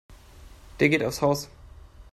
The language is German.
Der geht aufs Haus.